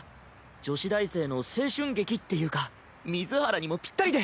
女子大生の青春劇っていうか水原にもぴったりで。